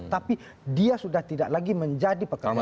tapi dia sudah tidak lagi menjadi pekerja partai